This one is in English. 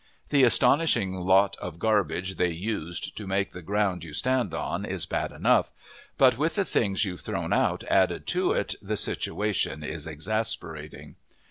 The astonishing lot of garbage they used to make the ground you stand on is bad enough, but with the things you've thrown out added to it the situation is exasperating.